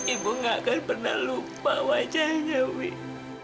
ibu gak akan pernah lupa wajahnya wi